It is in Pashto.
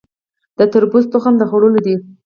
د تربوز تخم د خوړلو دی؟